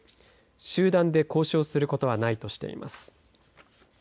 集団で交渉することはないとしています。